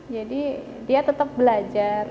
jadi dia tetap belajar